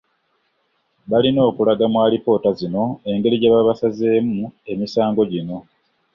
Balina okulaga mu alipoota zino engeri gye baba basazeemu emisango gino.